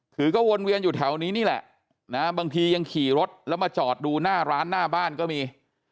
คือก็วนเวียนอยู่แถวนี้นี่แหละนะบางทียังขี่รถแล้วมาจอดดูหน้าร้านหน้าบ้านก็มี